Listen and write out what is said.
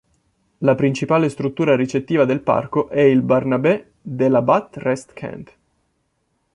La principale struttura ricettiva del parco è il Bernabé de la Bat Rest Camp.